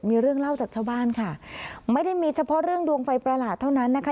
มีเรื่องเล่าจากชาวบ้านค่ะไม่ได้มีเฉพาะเรื่องดวงไฟประหลาดเท่านั้นนะคะ